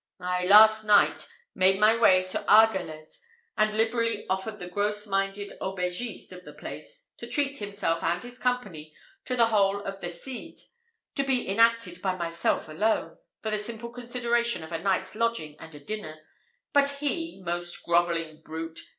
I, last night, made my way to Argelez, and liberally offered the gross minded aubergiste of the place, to treat himself and his company to the whole of 'The Cid,' to be enacted by myself alone, for the simple consideration of a night's lodging and a dinner; but he, most grovelling brute!